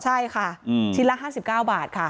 ใช่ค่ะชิ้นละ๕๙บาทค่ะ